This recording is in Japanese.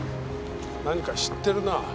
何か知ってるな。